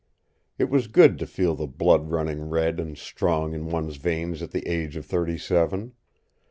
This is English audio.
It was good to feel the blood running red and strong in one's veins at the age of thirty seven.